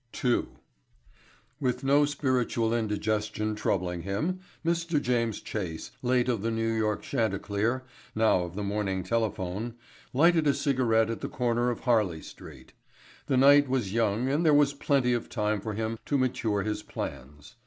II. With no spiritual indigestion troubling him, Mr. James Chase, late of the New York Chanticleer, now of the Morning Telephone, lighted a cigarette at the corner of Harley Street. The night was young and there was plenty of time for him to mature his plans.